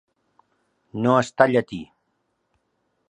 No estar llatí.